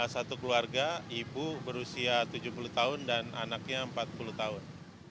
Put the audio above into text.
satu keluarga ibu berusia tujuh puluh tahun dan anaknya empat puluh tahun